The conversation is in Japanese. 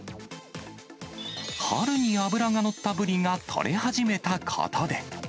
春に脂が乗ったブリが取れ始めたことで。